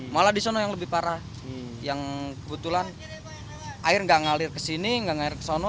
malah di sana yang lebih parah yang kebetulan air nggak ngalir ke sini nggak ngalir ke sana